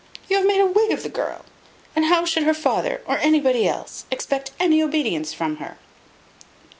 You have made a Whig of the girl; and how should her father, or anybody else, expect any obedience from her?"